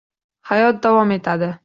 Hayot davom etadi.